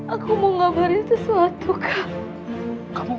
aku mau ngabarin sesuatu kak